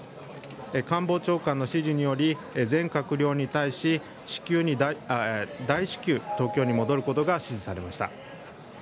官房長官の指示により全閣僚に対し大至急、東京に戻ることが指示されました。